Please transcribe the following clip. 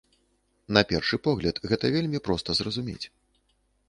На першы погляд, гэта вельмі проста зразумець.